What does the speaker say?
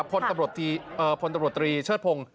พลตำรวจตรีเชิดพงศ์